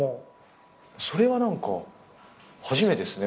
それは何か初めてっすね僕。